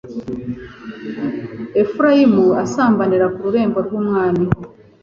efurayimu asambanira kururembo rwumwami